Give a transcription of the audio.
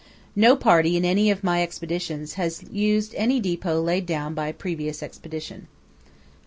No party in any of my Expeditions has used any depot laid down by a previous Expedition.